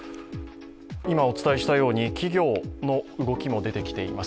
今お伝えしたように企業の動きも出てきています。